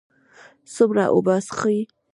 څومره اوبه څښئ؟